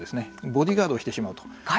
ボディーガードをしてしまうと。